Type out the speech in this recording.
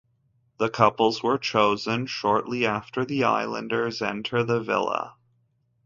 The couples were chosen shortly after the islanders enter the villa.